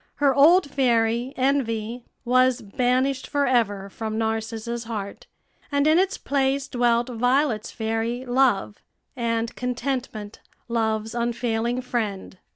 Her old fairy, Envy, was banished forever from Narcissa's heart, and in its place dwelt Violet's fairy, Love, and Contentment, Love's unfailing friend.